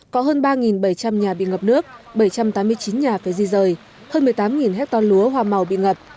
có hơn ba bảy trăm linh nhà bị ngập nước bảy trăm tám mươi chín nhà phải di rời hơn một mươi tám hecta lúa hoa màu bị ngập